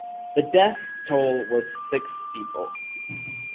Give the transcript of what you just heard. The death toll was six people.